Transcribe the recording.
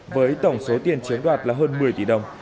với tổng số tiền chiếm đoạt là hơn một mươi tỷ đồng